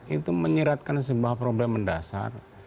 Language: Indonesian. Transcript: itu menyiratkan sebuah problem mendasar